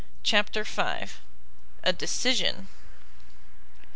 CHAPTER v. A DECISION.